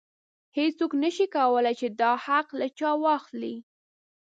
هیڅوک نشي کولی چې دا حق له چا واخلي.